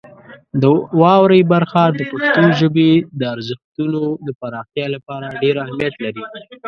د واورئ برخه د پښتو ژبې د ارزښتونو د پراختیا لپاره ډېر اهمیت لري.